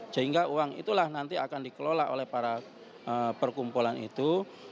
sehingga uang itulah nanti akan dikelola oleh para perkumpulan itu